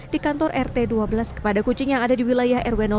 di kantor rt dua belas kepada kucing yang ada di wilayah rw